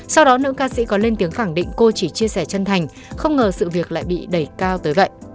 sau đó nữ ca sĩ có lên tiếng khẳng định cô chỉ chia sẻ chân thành không ngờ sự việc lại bị đẩy cao tới vậy